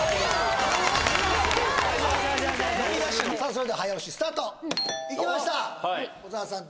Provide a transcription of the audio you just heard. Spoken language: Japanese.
それでは早押しスタートいきました小澤さん